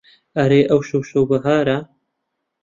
ئەرێ ئەوشەو شەو بەهارە